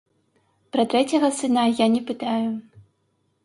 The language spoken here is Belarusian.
Пра трэцяга сына я не пытаю.